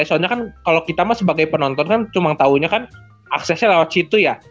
soalnya kan kalau kita mah sebagai penonton kan cuma tahunya kan aksesnya lewat situ ya